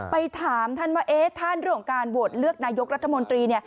ไปถามท่านมะเอ๊ะท่านเรื่องการโหวดเลือกนายกรัฐมนตรี